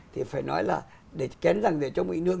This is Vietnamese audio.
thì phải nói là để kén ràng rẻ trong vị nương